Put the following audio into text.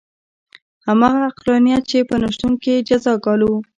همغه عقلانیت چې په نه شتون یې جزا ګالو.